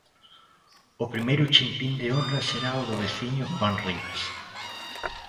O primeiro chimpín de honra será o do veciño Juan Rivas.